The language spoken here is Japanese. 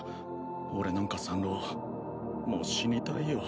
俺なんか三浪もう死にたいよ